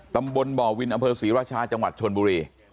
ตำบลบ่อวินอำเภอศรีราชาจังหวัดชนบุรี